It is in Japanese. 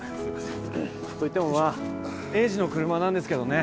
といってもまあ栄治の車なんですけどね。